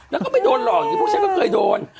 แล้วก็ไม่โดนหรอกอย่างผู้ชายก็เคยโดน